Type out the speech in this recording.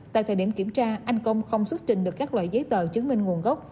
tại thời điểm kiểm tra anh công không xuất trình được các loại giấy tờ chứng minh nguồn gốc